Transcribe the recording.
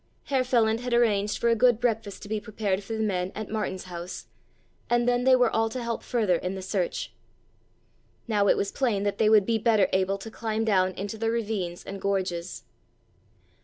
Herr Feland had arranged for a good breakfast to be prepared for the men at Martin's house, and then they were all to help further in the search. Now it was plain that they would be better able to climb down into the ravines and gorges.